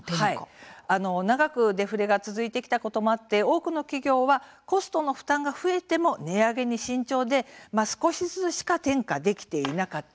長くデフレが続いてきたこともあって多くの企業はコストの負担が増えても値上げに慎重で少しずつしか転嫁できていなかった。